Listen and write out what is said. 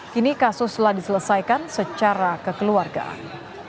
kini kasus telah diselesaikan secara kekeluargaan